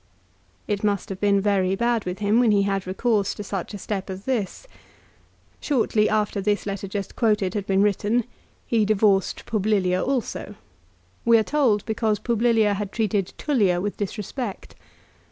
1 It must have been very bad with him when he had recourse to such a step as this. Shortly after this letter just quoted had been written, he divorced Publilia also, we are told because Publilia had treated Tullia with disrespect.